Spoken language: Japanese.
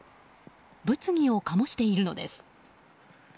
物議を醸しているのです。